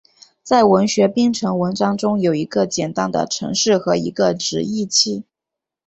在文学编程文章中有一个简单的程式和一个直译器。